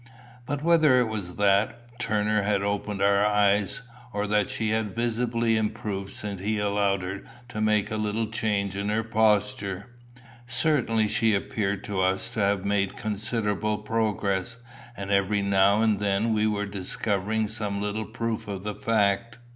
But whether it was that Turner had opened our eyes, or that she had visibly improved since he allowed her to make a little change in her posture certainly she appeared to us to have made considerable progress, and every now and then we were discovering some little proof of the fact.